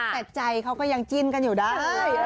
แต่ใจเขาก็ยังจิ้นกันอยู่ได้